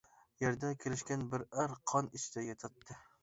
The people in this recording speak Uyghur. يەردە كېلىشكەن بىر ئەر قان ئىچىدە ياتاتتى.